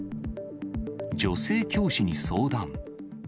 女性教師に相談。